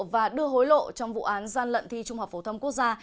và đưa hối lộ trong vụ án gian lận thi trung học phổ thông quốc gia